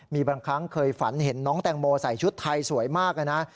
มีบางครั้งเคยฝันเห็นน้องแตงโมใส่ชุดไทยสวยมากนะ